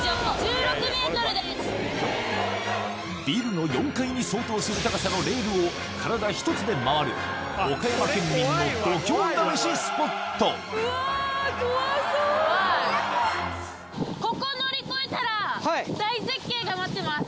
ビルの４階に相当する高さのレールを体ひとつで回る怖い。